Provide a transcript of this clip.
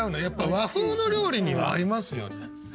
やっぱ和風の料理には合いますよね。